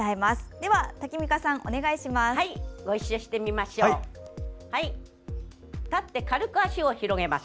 では、タキミカさんお願いします。